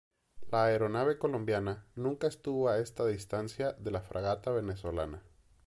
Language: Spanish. La aeronave colombiana nunca estuvo a esta distancia de la fragata venezolana.